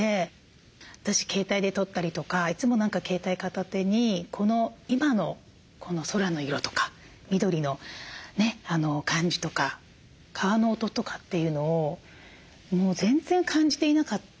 私携帯で撮ったりとかいつも何か携帯片手にこの今のこの空の色とか緑のね感じとか川の音とかっていうのをもう全然感じていなかったなって。